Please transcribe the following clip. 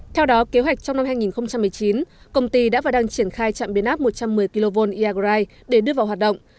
theo đó kế hoạch trong năm hai nghìn một mươi chín công ty đã và đang triển khai trạm biến áp một trăm một mươi kv iagrai để đưa vào hoạt động